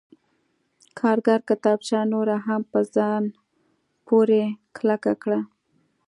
کارګر کتابچه نوره هم په ځان پورې کلکه کړه